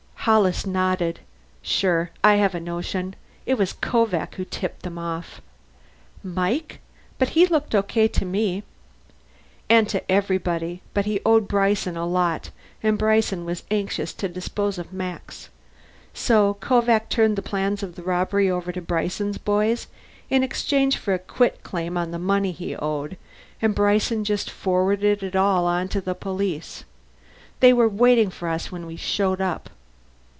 Hollis nodded. "Sure I have a notion! It was Kovak who tipped them off." "Mike? but he looked okay to me." "And to everybody. But he owed Bryson a lot, and Bryson was anxious to dispose of Max. So Kovak turned the plans of the robbery over to Bryson's boys in exchange for a quitclaim on the money he owed, and Bryson just forwarded it all on to the police. They were waiting for us when we showed up."